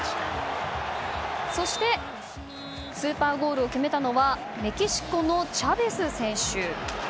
そしてスーパーゴールを決めたのはメキシコのチャヴェス選手。